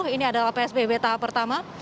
ini adalah psbb tahap pertama